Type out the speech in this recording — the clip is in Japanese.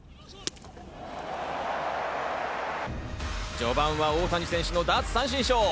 序盤は大谷選手の奪三振ショー。